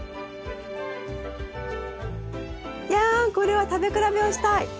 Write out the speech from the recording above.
やんこれは食べ比べをしたい！